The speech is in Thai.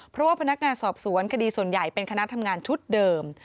เพราะว่าพนักงานสอบสวนคดีส่วนใหญ่เป็นคณะทำงานชุดเดิม